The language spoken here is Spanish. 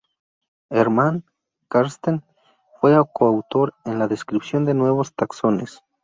Hermann Karsten fue coautor en la descripción de nuevos taxones.